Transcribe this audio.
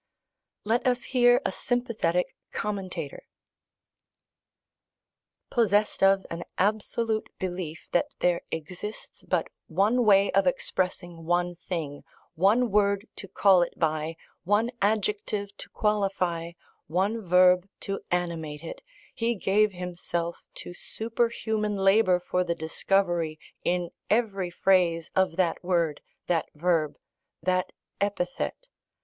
Let us hear a sympathetic commentator: Possessed of an absolute belief that there exists but one way of expressing one thing, one word to call it by, one adjective to qualify, one verb to animate it, he gave himself to superhuman labour for the discovery, in every phrase, of that word, that verb, that epithet.